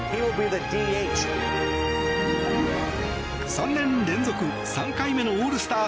３年連続３回目のオールスター